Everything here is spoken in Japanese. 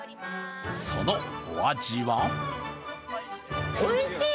そのお味は？